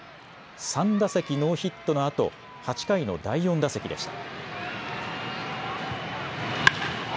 ３打席ノーヒットのあと８回の第４打席でした。